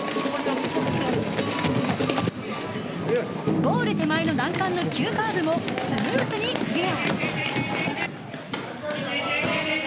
ゴール手前の難関の急カーブもスムーズにクリア！